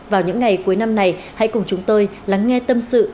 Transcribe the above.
vào những ngày cuối năm này hãy cùng chúng tôi lắng nghe tâm sự